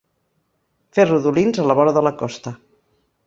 Fer rodolins a la vora de la costa.